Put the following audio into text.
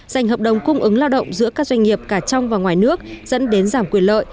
dành hợp đồng cung ứng lao động giữa các doanh nghiệp cả trong và ngoài nước dẫn đến giảm quyền lợi